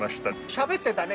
しゃべってたね。